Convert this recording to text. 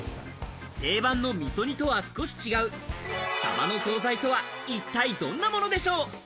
定番のみそ煮とは少し違う、さばの総菜とは一体どんなものでしょう？